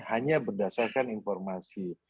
hanya berdasarkan informasi